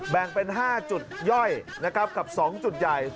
แบ่งเป็น๕จุดย่อยนะครับกับ๒จุดใหญ่